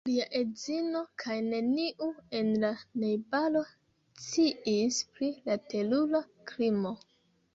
Lia edzino kaj neniu en la najbaro sciis pri la terura krimo.